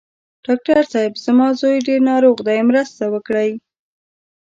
ډاکټر صېب! زما زوی ډېر ناروغ دی، مرسته وکړئ.